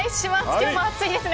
今日も熱いですね